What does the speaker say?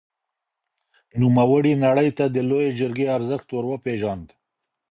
نوموړي نړۍ ته د لويې جرګې ارزښت ور وپېژاند.